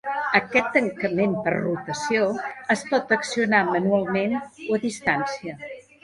Aquest tancament per rotació es pot accionar manualment o a distància.